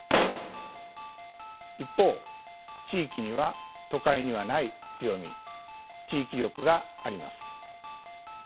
一方地域には都会にはない強み地域力があります。